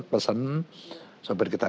pesen sampai kita